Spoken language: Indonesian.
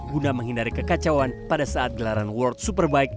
guna menghindari kekacauan pada saat gelaran world superbike